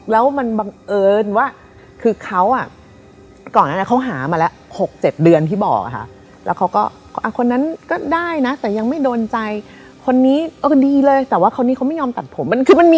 แล้วก็มีของไซด์เดี่ยวก็คือตอน